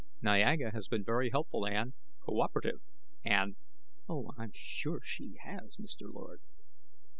"Niaga has been very helpful, Ann; cooperative and " "Oh, I'm sure she has, Mr. Lord."